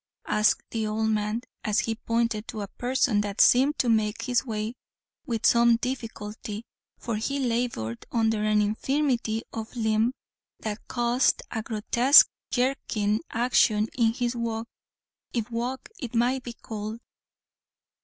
asked the old man, as he pointed to a person that seemed to make his way with some difficulty, for he laboured under an infirmity of limb that caused a grotesque jerking action in his walk, if walk it might be called.